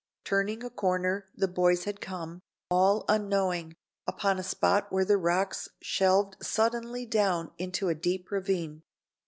Turning a corner the boys had come, all unknowing, upon a spot where the rocks shelved suddenly down into a deep ravine.